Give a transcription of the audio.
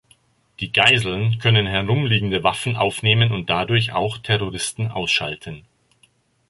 Die Geiseln können herumliegende Waffen aufnehmen und dadurch auch Terroristen ausschalten.